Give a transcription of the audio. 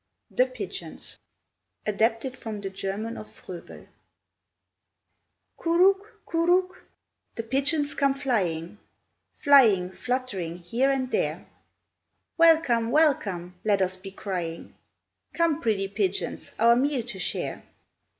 THE PIGEONS (Adapted from the German of Froebel) "Curuck! Curuck!" the pigeons come flying, Flying, fluttering, here and there. "Welcome! welcome!" let us be crying. "Come, pretty pigeons, our meal to share.